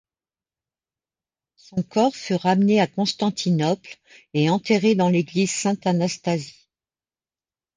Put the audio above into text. Son corps fut ramené à Constantinople et enterré dans l'église Sainte-Anastasie.